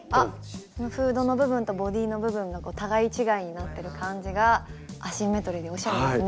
フードの部分とボディーの部分が互い違いになってる感じがアシンメトリーで面白いですね。